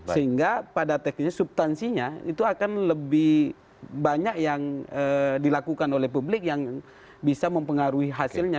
sehingga pada teknisnya subtansinya itu akan lebih banyak yang dilakukan oleh publik yang bisa mempengaruhi hasilnya